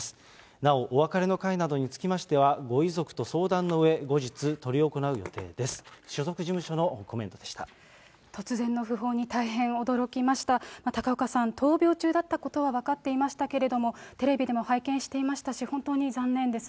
なおお別れの会などにつきましては、ご遺族と相談のうえ、後日、執り行う予定です。